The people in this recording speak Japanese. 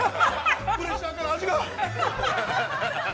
プレッシャーから味が。